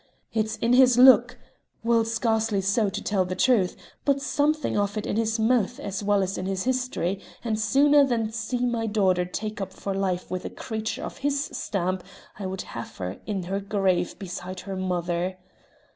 It's in his look well, scarcely so, to tell the truth, but something of it is in his mouth as well as in his history, and sooner than see my daughter take up for life with a creature of his stamp I would have her in her grave beside her mother.